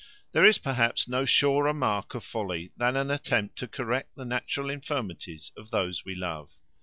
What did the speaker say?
There is, perhaps, no surer mark of folly, than an attempt to correct the natural infirmities of those we love.